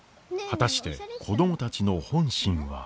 果たして子供たちの本心は。